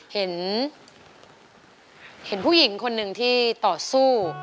เห็นผู้หญิงคนหนึ่งที่ต่อสู้